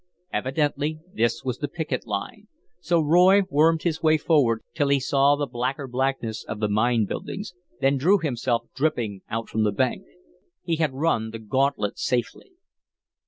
Evidently this was the picket line, so Roy wormed his way forward till he saw the blacker blackness of the mine buildings, then drew himself dripping out from the bank. He had run the gauntlet safely.